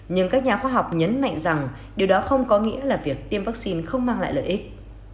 nhưng các nhà khoa học nhấn mạnh rằng điều đó không có nghĩa là việc tiêm vaccine không mang lại lợi ích